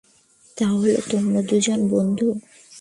তাহলে তোমরা দুজন বন্ধু?